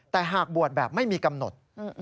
แต่หากบวชแบบไม่มีกำหนด